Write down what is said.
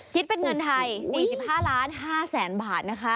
คิดเป็นเงินไทย๔๕๕๐๐๐๐บาทนะคะ